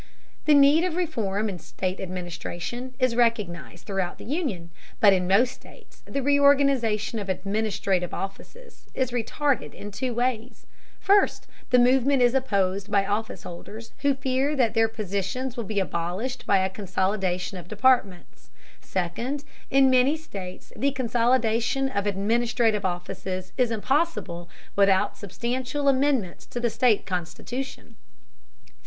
The need of reform in state administration is recognized throughout the Union, but in most states the reorganization of administrative offices is retarded in two ways: First, the movement is opposed by officeholders who fear that their positions will be abolished by a consolidation of departments; second, in many states the consolidation of administrative offices is impossible without substantial amendments to the state constitution.